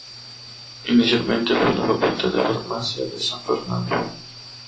Inicialmente fue la Facultad de Farmacia de San Fernando.